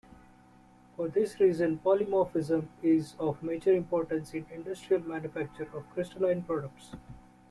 For this reason, polymorphism is of major importance in industrial manufacture of crystalline products.